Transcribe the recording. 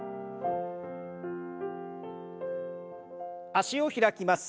脚を開きます。